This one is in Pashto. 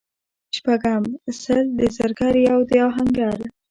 شپږم:سل د زرګر یوه د اهنګر